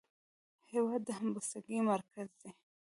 هېواد د همبستګۍ مرکز دی.